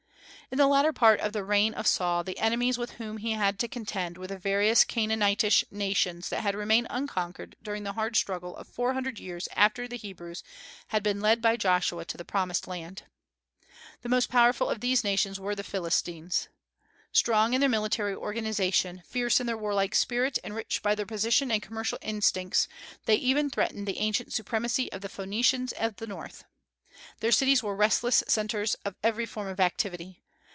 In the latter part of the reign of Saul the enemies with whom he had to contend were the various Canaanitish nations that had remained unconquered during the hard struggle of four hundred years after the Hebrews had been led by Joshua to the promised land. The most powerful of these nations were the Philistines. "Strong in their military organization, fierce in their warlike spirit, and rich by their position and commercial instincts, they even threatened the ancient supremacy of the Phoenicians of the north. Their cities were the restless centres of every form of activity.